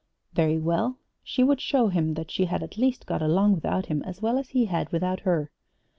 Very well; she would show him that she had at least got along without him as well as he had without her.